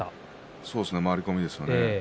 そうですね回り込みですね。